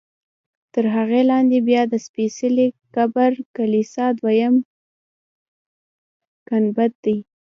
تر هغه لاندې بیا د سپېڅلي قبر کلیسا دویم ګنبد دی.